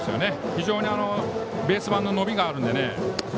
非常にベース板での伸びがあるので。